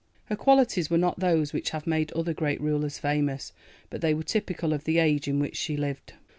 Her qualities were not those which have made other great rulers famous, but they were typical of the age in which she lived.